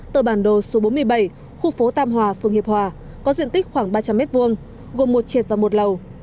tờ bản đồ số bốn mươi bảy khu phố tam hòa phường hiệp hòa có diện tích khoảng ba trăm linh m hai gồm một triệt và một lầu